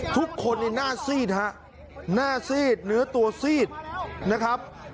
ทุกคนในหน้าซีดฮะหน้าซีดเนื้อตัวซีดนะครับ